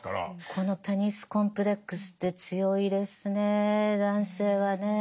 このペニス・コンプレックスって強いですね男性はねえ。